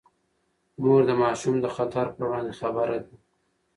مور د ماشوم د خطر پر وړاندې خبرده ده.